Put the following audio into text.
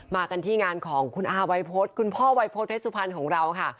มากันที่งานของคุณอาวัยพฤษคุณพ่อวัยพฤษเพชรสุพรรณของเราค่ะ